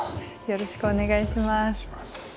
よろしくお願いします。